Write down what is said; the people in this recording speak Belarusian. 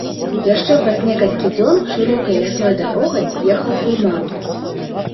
Яшчэ праз некалькі дзён шырокай лясной дарогай ехала фурманка.